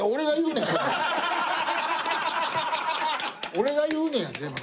俺が言うねん全部。